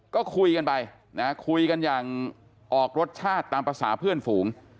ก็คุยกันไปนะคุยกันอย่างออกรสชาติตามภาษาเพื่อนฝูง